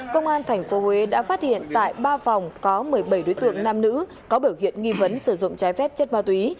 công an tp huế đã phát hiện tại ba phòng có một mươi bảy đối tượng nam nữ có biểu hiện nghi vấn sử dụng trái phép chất ma túy